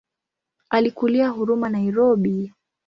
Alikulia Huruma Nairobi.